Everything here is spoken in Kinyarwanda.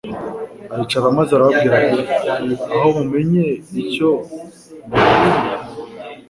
Aricara maze arababwira ati: «Aho mumenye icyo mbagiriye?»